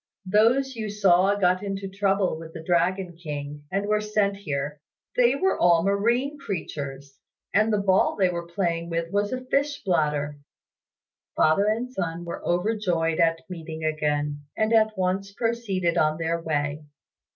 Those you saw got into trouble with the Dragon King, and were sent here. They were all marine creatures, and the ball they were playing with was a fish bladder." Father and son were overjoyed at meeting again, and at once proceeded on their way.